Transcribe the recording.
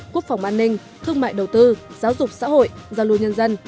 quốc phòng an ninh thương mại đầu tư giáo dục xã hội giao lưu nhân dân